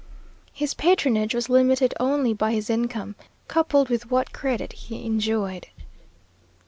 His patronage was limited only by his income, coupled with what credit he enjoyed.